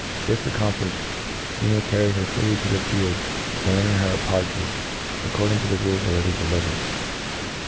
This ac compiiihed, you may carry her freely to the field, and enter her at partridge, according to the rules already delivered.